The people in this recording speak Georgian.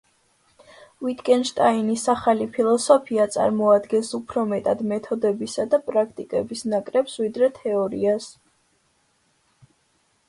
ვიტგენშტაინის ახალი ფილოსოფია წარმოადგენს უფრო მეტად მეთოდებისა და პრაქტიკების ნაკრებს, ვიდრე თეორიას.